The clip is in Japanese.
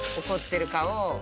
怒ってる顔。